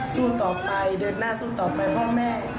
สู้ต่อไปเดินหน้าสู้ต่อไปพ่อแม่